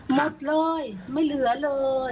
หมดเลยไม่เหลือเลย